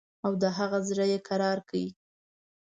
او د هغه زړه یې کرار کړ.